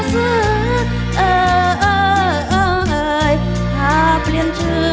แม่ข้าเคิ้งเจ้าแต่ข้านางภูมิห่วงใจ